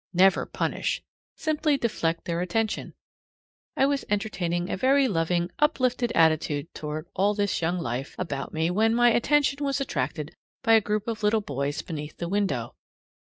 Never punish; simply deflect their attention. I was entertaining a very loving, uplifted attitude toward all this young life about me when my attention was attracted by a group of little boys beneath the window.